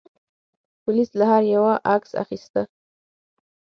پولیس له هر یوه عکس اخیسته.